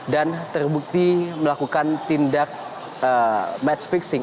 dan terbukti melakukan tindak match fixing